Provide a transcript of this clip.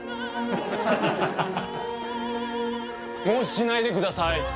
もうしないでください。